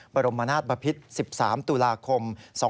บรมณาปภิษฐาน๑๓ตุลาคม๒๕๖๑